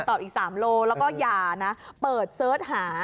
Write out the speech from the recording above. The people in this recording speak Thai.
๓กิโลกรัมแล้วก็ยานะเปิดเสิร์ชหา